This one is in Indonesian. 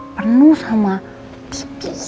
penuh sama titik